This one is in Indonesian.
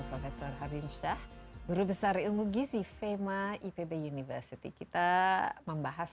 kembali bersama insight with desy anwar